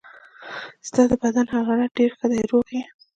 ستا د بدن حرارت ډېر ښه دی، روغ یې.